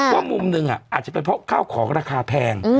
ว่ามุมหนึ่งอาจจะเป็นเพราะข้าวของราคาแพง